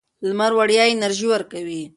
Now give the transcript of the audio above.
لمر وړیا انرژي ورکوي.